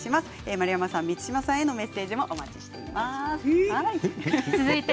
丸山さん、満島さんへのメッセージもお待ちしています。